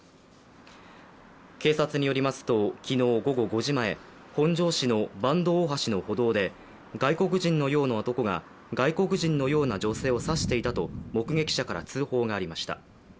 警察によりますと昨日午後５時前本庄市の坂東大橋の歩道で外国人のような男が外国人のような女性を刺していたと目撃者から通報がありました。